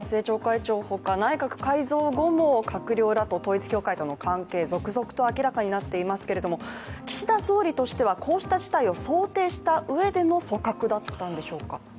萩生田政調会長ほか、内閣改造後も閣僚らと統一教会との関係続々と明らかになっていますけども岸田総理としてはこうした事態を想定したうえでの組閣だったのでしょうか？